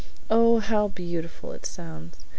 "Oh, how beautiful it sounds!